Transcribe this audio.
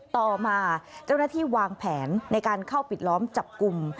ต่อมาเจ้าหน้าที่วางแผนในการเข้าปิดล้อมจับกลุ่ม